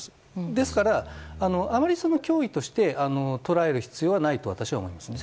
ですからあまり脅威として捉える必要はないと私は思いますね。